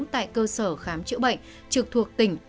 tại cơ sở khám chữa bệnh trực thuộc tỉnh